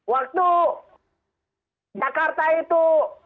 waktu jakarta itu